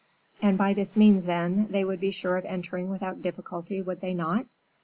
"And, by this means, then, they would be sure of entering without difficulty, would they not?"